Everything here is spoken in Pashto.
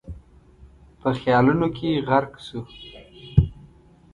په خيالونو کې غرق شو.